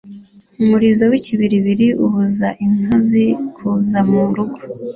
Umurizo w’ikibiribiri ubuza intozi kuza mu rugo,